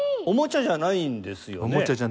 おもちゃじゃないんですよ